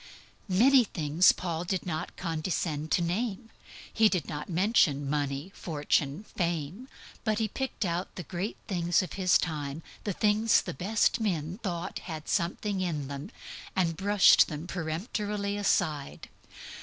Many things Paul did not condescend to name. He did not mention money, fortune, fame; but he picked out the great things of his time, the things the best men thought had something in them, and brushed them peremptorily aside.